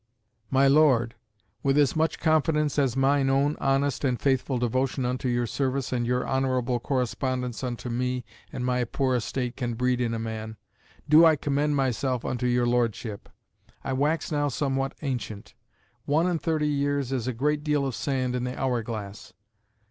"MY LORD, With as much confidence as mine own honest and faithful devotion unto your service and your honourable correspondence unto me and my poor estate can breed in a man, do I commend myself unto your Lordship. I wax now somewhat ancient: one and thirty years is a great deal of sand in the hour glass.